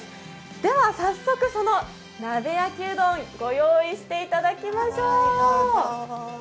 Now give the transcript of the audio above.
では早速その鍋焼うどん御用意していただきましょう。